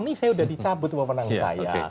ini saya sudah dicabut wawanan saya